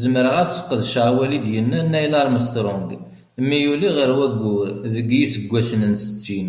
Zemreɣ ad sqedceɣ awal i d-yenna Neil Armstrong mi yuli ɣer wayyur deg yiseggasen n settin.